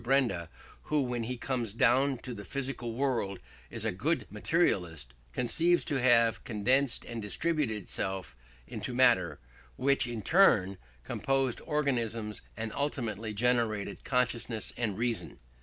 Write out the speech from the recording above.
Benda who when he comes down to the physical world is a good materialist conceives to have condensed and distributed itself into matter, which in turn composed organisms and ultimately generated consciousness and reason.